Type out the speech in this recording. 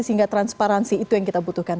sehingga transparansi itu yang kita butuhkan